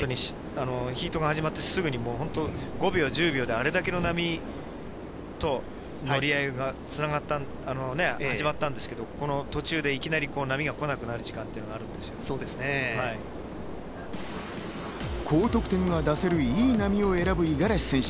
ヒートが始まって、５秒、１０秒であれだけの波と乗り合いが繋がって始まったんですが、途中でいきなり波が来なくなる時間が高得点を出せる、いい波を選ぶ五十嵐選手。